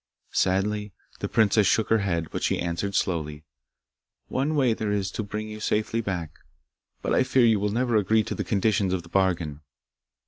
Sadly the princess shook her head, but she answered slowly, 'One way there is to bring you safely back, but I fear you will never agree to the conditions of the bargain.